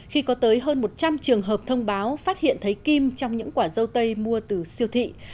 khi có tới hơn một trăm linh trường hợp thông báo phát hiện thấy kim trong những quả dâu tây mua từ siêu thị